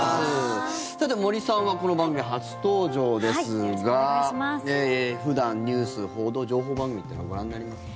森さんはこの番組、初登場ですが普段、ニュース、報道情報番組っていうのはご覧になりますか？